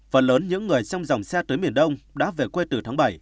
phần lớn những người trong dòng xe tới miền đông đã về quê từ tháng bảy